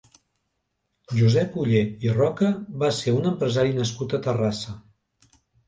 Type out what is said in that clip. Josep Oller i Roca va ser un empresari nascut a Terrassa.